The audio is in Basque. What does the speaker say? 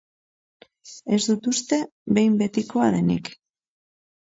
Ez dut uste behin betikoa denik.